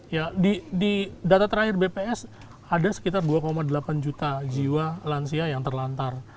ya di data terakhir bps ada sekitar dua delapan juta jiwa lansia yang terlantar